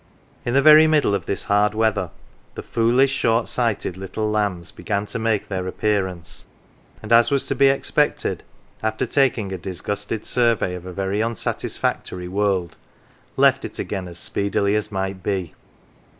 In the very middle of this hard weather the foolish, short sighted little lambs began to make their appearance, and, as was to be expected, after taking a disgusted survey of a very unsatisfactory world, left it again as speedily as might be.